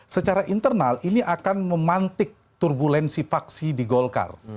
secara internal ini akan memantik turbulensi faksi di golkar